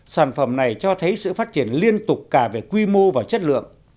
sản phẩm này cho thấy sự phát triển liên tục cả về quy mô và chất lượng